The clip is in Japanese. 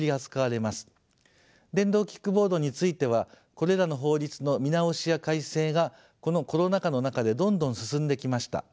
電動キックボードについてはこれらの法律の見直しや改正がこのコロナ禍の中でどんどん進んできました。